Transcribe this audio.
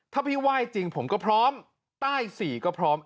ถ้าพี่ไหว้จริงผมก็พร้อมใต้๔ก็พร้อม